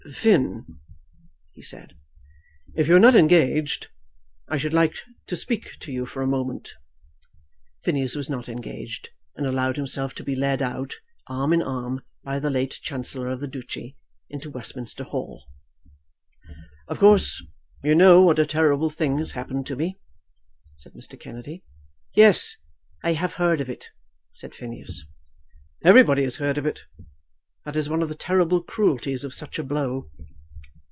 "Finn," he said, "if you are not engaged I should like to speak to you for a moment." Phineas was not engaged, and allowed himself to be led out arm in arm by the late Chancellor of the Duchy into Westminster Hall. "Of course you know what a terrible thing has happened to me," said Mr. Kennedy. "Yes; I have heard of it," said Phineas. "Everybody has heard of it. That is one of the terrible cruelties of such a blow."